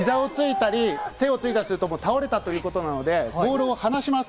膝をついたり、手をついたりすると倒れたということなので、ボールを離します。